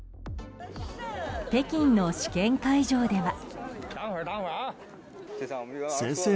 北京の試験会場では。